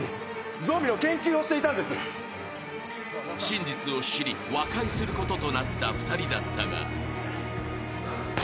［真実を知り和解することとなった２人だったが］